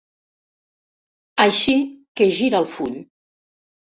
Així que gira el full.